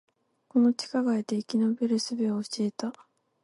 この地下街で生き延びる術を教えた